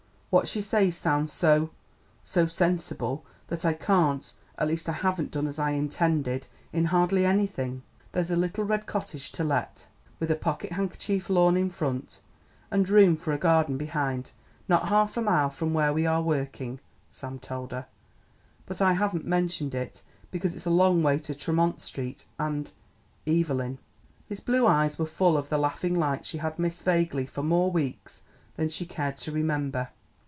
What she says sounds so so sensible that I can't at least I haven't done as I intended in hardly anything." "There's a little red cottage to let, with a pocket handkerchief lawn in front and room for a garden behind, not half a mile from where we are working," Sam told her, "but I haven't mentioned it because it's a long way to Tremont Street and Evelyn." His blue eyes were full of the laughing light she had missed vaguely for more weeks than she cared to remember.